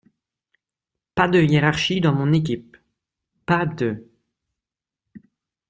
Pas de hiérarchie dans mon équipe, pas de…